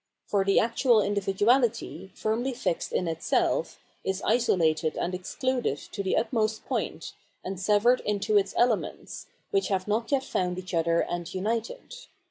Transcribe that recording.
For the actual individuality, firmly fixed in itself, is isolated and excluded to the utmost point, and severed into its elements, which have not yet found each other and united.